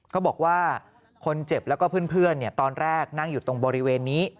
เขาบอกว่าคนเจ็บแล้วก็เพื่อนตอนแรกนั่งอยู่ตรงบริเวณนี้